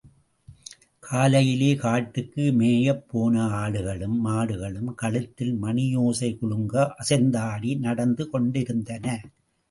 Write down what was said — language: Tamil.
காலையிலே காட்டுக்கு மேயப் போன ஆடுகளும் மாடுகளும், கழுத்தில் மணியோசை குலுங்க அசைந்தாடி நடந்து கொண்டிருந்தன.